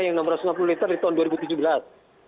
yang enam ratus lima puluh liter di tahun dua ribu tujuh belas